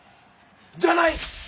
じゃない！